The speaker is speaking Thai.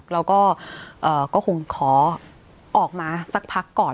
แล้วก็คงขอออกมาสักพักก่อน